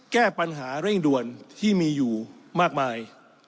แก้ปัญหาเร่งด่วนที่มีอยู่มากมาย